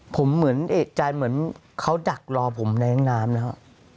ผมเหมือนเอกใจเหมือนเขาดักรอผมในน้ำนะครับ